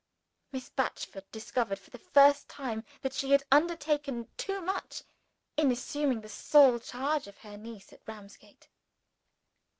Miss Batchford discovered for the first time that she had undertaken too much in assuming the sole charge of her niece at Ramsgate.